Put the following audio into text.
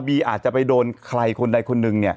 อบีอาจจะไปโดนใครคนใดคนหนึ่งเนี่ย